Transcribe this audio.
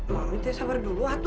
mami teh sabar dulu hatu